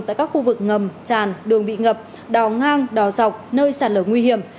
tại các khu vực ngầm tràn đường bị ngập đò ngang đò dọc nơi sản lửa nguy hiểm